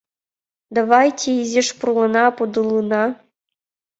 Давайте изиш пурлына, подылына.